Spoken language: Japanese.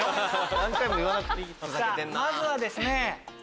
まずはですね。